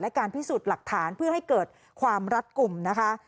และการพิสูจน์หลักฐานเพื่อให้เกิดความรัดกลุ่มนะคะ